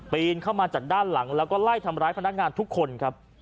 นเข้ามาจากด้านหลังแล้วก็ไล่ทำร้ายพนักงานทุกคนครับ